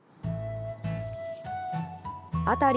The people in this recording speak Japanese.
辺り